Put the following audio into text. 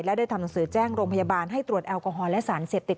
และได้ทำหนังสือแจ้งโรงพยาบาลให้ตรวจแอลกอฮอลและสารเสพติด